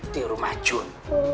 di rumah jun